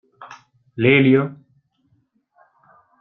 L'elio?